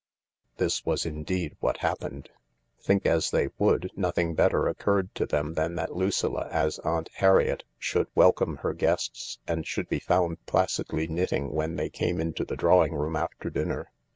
This was indeed what happened. Think as they would, THE LARK 243 nothing better occurred to them than that Lucilla, as Aunt Harriet, should welcome her guests, and should be found placidly knitting when they came into the drawing room after dinner.